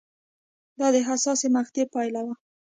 دا د حساسې مقطعې پایله وه